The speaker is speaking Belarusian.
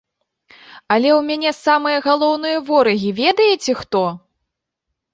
Але ў мяне самыя галоўныя ворагі ведаеце хто?